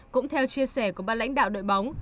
cũng theo chia sẻ của ban lãnh đạo đội bóng